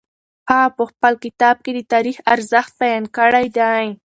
هغه په خپل کتاب کي د تاریخ ارزښت بیان کړی دی.